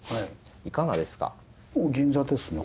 いかがですか？